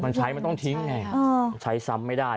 มันใช้มันต้องทิ้งไงใช้ซ้ำไม่ได้